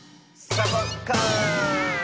サボッカーン！